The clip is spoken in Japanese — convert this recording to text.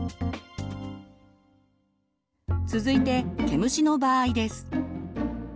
続いて毛虫の場合です。